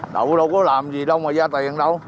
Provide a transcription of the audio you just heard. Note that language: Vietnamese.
đậu đâu có làm gì đâu mà ra tiền đâu